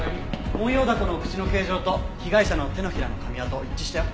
モンヨウダコの口の形状と被害者の手のひらの噛み跡一致したよ。